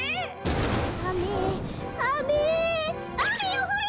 あめあめあめよふれ！